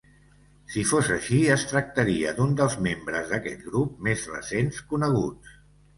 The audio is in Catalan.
Si fos així, es tractaria d'un dels membres d'aquest grup més recents coneguts.